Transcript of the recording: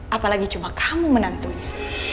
apalagi cuma kamu menantunya